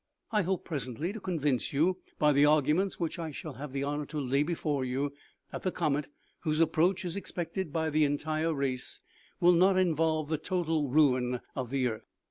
I hope presently to convince you, by the arguments which I shall have the honor to lay before you, that the comet, whose approach is expected by the entire race, will not involve the total ruin of the earth.